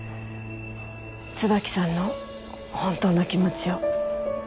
椿さんの本当の気持ちを。